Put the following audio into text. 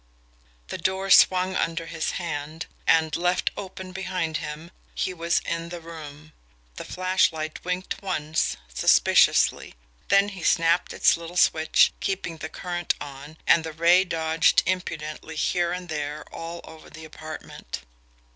The door swung under his hand, and, left open behind him, he was in the room. The flashlight winked once suspiciously. Then he snapped its little switch, keeping the current on, and the ray dodged impudently here and there all over the apartment.